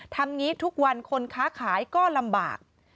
งี้ทุกวันคนค้าขายก็ลำบาก